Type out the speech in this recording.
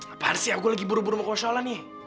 apaan sih aku lagi buru buru mau kosyolah nih